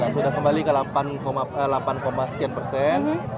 sudah kembali ke delapan sekian persen